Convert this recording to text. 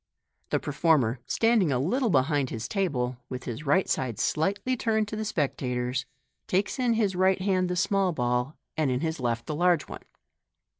The per former, standing a little behind his table, with his right side slightly turned to the spectators, takes in his right hand the small ball, and in his left the large one.